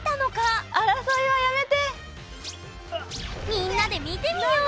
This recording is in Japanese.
みんなで見てみよう！